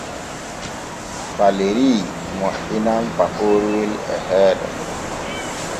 Falerii moƴƴinan pakoroowal e heeɗo.